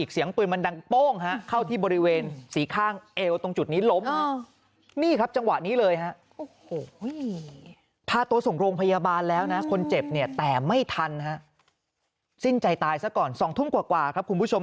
สิ้นใจตายซะก่อน๒ทุ่มกว่าครับคุณผู้ชม